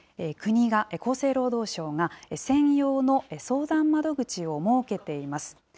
国が、厚生労働省が、専用の相談窓口を設けています。